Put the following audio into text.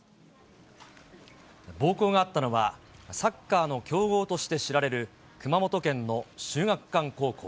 暴行があったのは、サッカーの強豪として知られる、熊本県の秀岳館高校。